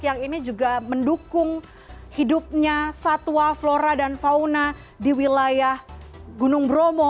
yang ini juga mendukung hidupnya satwa flora dan fauna di wilayah gunung bromo